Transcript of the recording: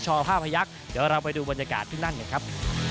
ก็ฟิฟาภัยักษ์จะเราไปดูบรรยากาศที่นั่นเหี้ยครับ